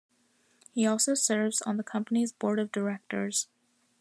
He also serves on the company's Board of Directors.